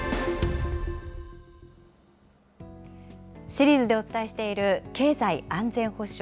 シリーズでお伝えしている経済安全保障